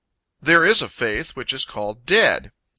There is a faith which is called dead.